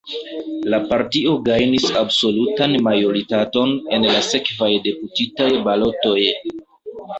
La partio gajnis absolutan majoritaton en la sekvaj deputitaj balotoj.